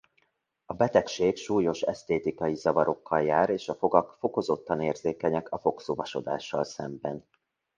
A betegség súlyos esztétikai zavarokkal jár és a fogak fokozottan érzékenyek a fogszuvasodással szemben.